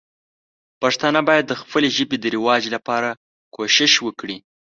پښتانه باید د خپلې ژبې د رواج لپاره کوښښ وکړي.